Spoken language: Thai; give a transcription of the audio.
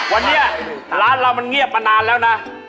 วันนี้ร้านเรามันเงียบมานานแล้วนะ